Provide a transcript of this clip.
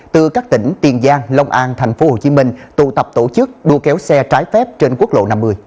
từ các tỉnh tiền giang long an tp hcm tụ tập tổ chức đua kéo xe trái phép trên quốc lộ năm mươi